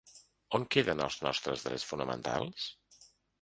On queden els nostres drets fonamentals?